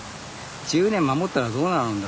１０年守ったらどうなるんだろうって。